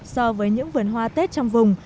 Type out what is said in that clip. so với những vườn hoa tết trong vùng